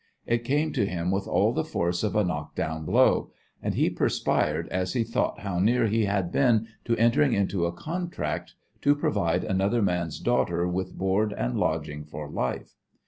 It came to him with all the force of a knock down blow, and he perspired as he thought how near he had been to entering into a contract to provide another man's daughter with board and lodging for life.